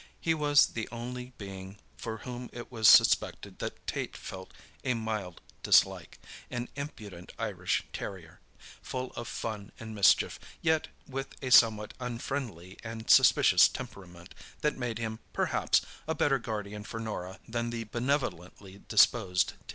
He was the only being for whom it was suspected that Tait felt a mild dislike—an impudent Irish terrier, full of fun and mischief, yet with a somewhat unfriendly and suspicious temperament that made him, perhaps, a better guardian for Norah than the benevolently disposed Tait.